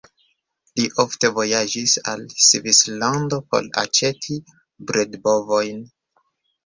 Li ofte vojaĝis al Svislando por aĉeti bredbovojn.